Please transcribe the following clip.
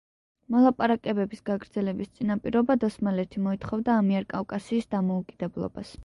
მოლაპარაკებების გაგრძელების წინაპირობად ოსმალეთი მოითხოვდა ამიერკავკასიის დამოუკიდებლობას.